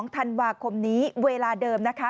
๒ธันวาคมนี้เวลาเดิมนะคะ